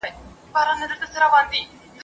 غواړم له شونډو دي پلمې په شپه کي وتښتوم !.